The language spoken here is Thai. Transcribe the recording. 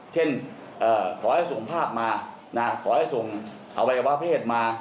ขอให้ส่งภาพมาขอให้ส่งอวัยวะเพศมา